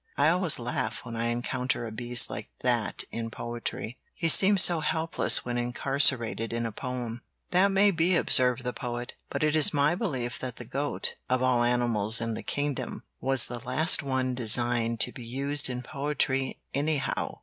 I always laugh when I encounter a beast like that in poetry; he seems so helpless when incarcerated in a poem." "That may be," observed the Poet. "But it is my belief that the goat, of all animals in the kingdom, was the last one designed to be used in poetry, anyhow.